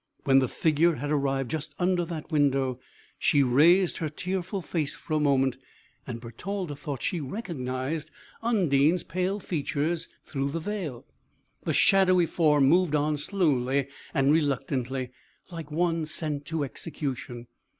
When the figure had arrived just under that window, she raised her tearful face for a moment, and Bertalda thought she recognised Undine's pale features through the veil. The shadowy form moved on slowly and reluctantly, like one sent to execution.